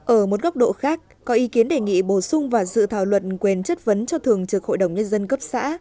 ở một góc độ khác có ý kiến đề nghị bổ sung vào dự thảo luật quyền chất vấn cho thường trực hội đồng nhân dân cấp xã